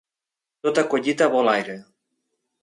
Tota collita vol aire.